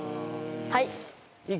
はい。